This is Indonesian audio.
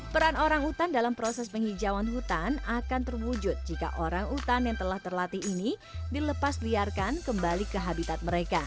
peran orang hutan dalam proses penghijauan hutan akan terwujud jika orang hutan yang telah terlatih ini dilepas liarkan kembali ke habitat mereka